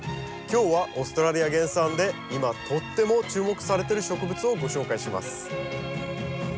今日はオーストラリア原産で今とっても注目されてる植物をご紹介します。